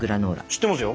知ってますよ。